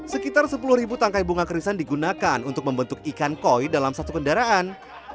sekitar sepuluh tangkai bunga krisan digunakan untuk membentuk ikan koi dalam satu kendaraan